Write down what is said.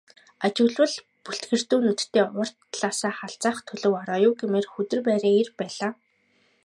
Ажиглавал бүлтгэрдүү нүдтэй урд талаасаа халзайх төлөв ороо юу гэмээр, хүдэр байрын эр байлаа.